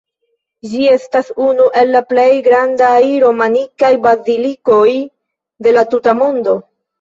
Ĝi estas unu el la plej grandaj romanikaj bazilikoj de la tuta mondo.